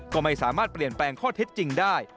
ก็ไม่สามารถเปลี่ยนแปลงข้อเท็จจริงได้